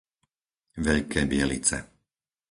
Veľké Bielice